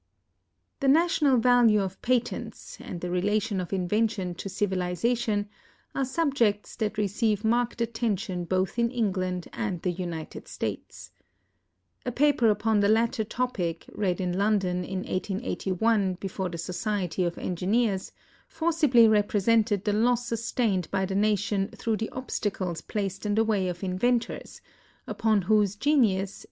The national value of patents, and the relation of invention to civilization, are subjects that receive marked attention both in England and the United States. A paper upon the latter topic, read in London, in 1881, before the Society of Engineers, forcibly represented the loss sustained by the nation through the obstacles placed in the way of inventors, upon whose genius, this paper * Mademoiselle Biheron.